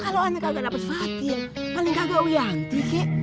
kalau anak kagak dapat fatin paling kagak wiyanti kek